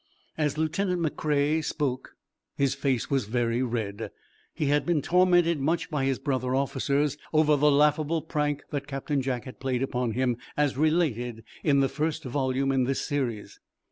As Lieutenant McCrea spoke his face was very red. He had been tormented much by his brother officers over the laughable prank that Captain Jack had played upon him, as related in the first volume in this series.